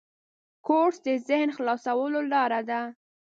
کورس د ذهن خلاصولو لاره ده.